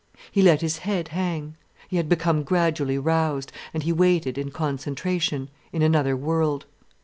He let his head hang; he had become gradually roused: and he waited in concentration, in another world.